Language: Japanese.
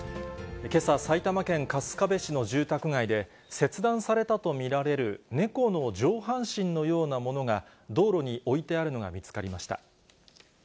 けさ、埼玉県春日部市の住宅街で、切断されたと見られる猫の上半身のようなものが道路に置いてあるのが見つかりました。